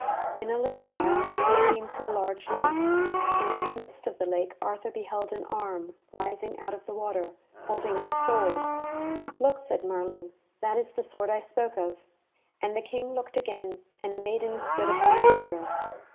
In a little while they came to a large lake, and in the midst of the lake Arthur beheld an arm rising out of the water, holding up a sword. "Look!" said Merlin, "that is the sword I spoke of." And the King looked again, and a maiden stood upon the water.